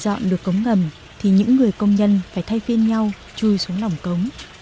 để dọn được cống ngầm thì những người công nhân phải thay phiên nhau chui xuống lòng cống